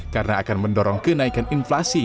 karena akan mendorong kenaikan inflasi